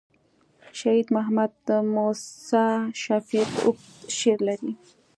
شهید محمد موسي شفیق اوږد شعر لري.